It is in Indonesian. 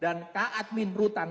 dan keadmin rutan